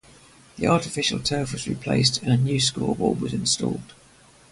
The artificial turf was replaced and a new scoreboard was installed.